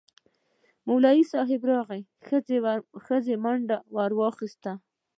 ملا صیب راغی، ښځې منډه واخیسته.